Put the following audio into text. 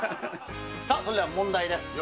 それでは問題です。